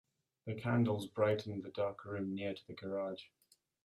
The candles brightened the dark room near to the garage.